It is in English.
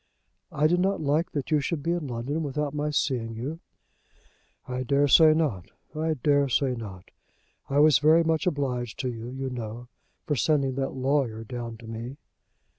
"I did not like that you should be in London without my seeing you." "I daresay not. I daresay not. I was very much obliged to you, you know, for sending that lawyer down to me."